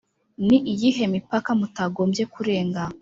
Ni iyihe mipaka mutagombye kurenga?